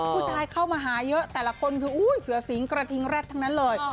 ผู้ชายเข้ามาหายเยอะแต่ละคนถือเสือสิงค์กระทิงแรดเท่านั้นเลย